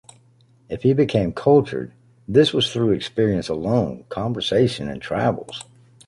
If he became cultured, this was through experience alone, conversation and travels.